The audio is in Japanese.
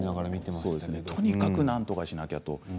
とにかくなんとかしなければと。